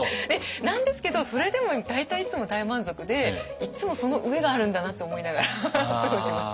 なんですけどそれでも大体いつも大満足でいつもその上があるんだなって思いながら過ごします。